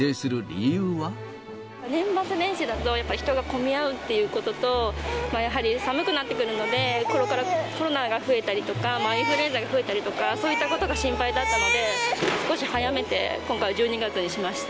年末年始だと、やっぱり人が混み合うっていうことと、やはり寒くなってくるので、これからコロナが増えたりとか、インフルエンザが増えたりとか、そういったことが心配だったので、少し早めて今回は１２月にしました。